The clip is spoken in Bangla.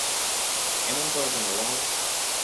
এমন করো কেন, ওয়াং।